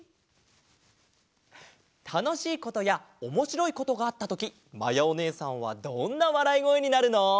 たのしいことやおもしろいことがあったときまやおねえさんはどんなわらいごえになるの？